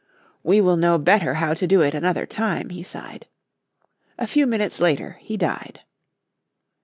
"We will know better how to do it another time," he sighed. A few minutes later he died.